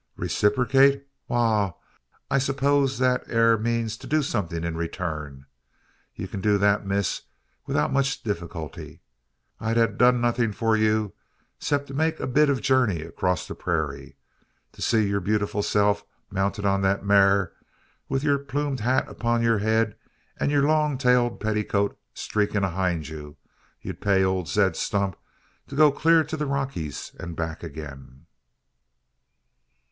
"Reciperkate! Wal, I spose thet air means to do suthin in return. Ye kin do thet, miss, 'ithout much difeequilty. I han't dud nothin' for you, ceptin' make a bit o' a journey acrost the purayra. To see yur bewtyful self mounted on thet maar, wi' yur ploomed het upon yur head, an yur long tailed pettykote streakin' it ahint you, 'ud pay old Zeb Stump to go clur to the Rockies, and back agin."